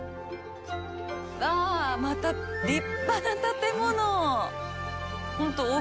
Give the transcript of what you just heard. わあ、また立派な建物。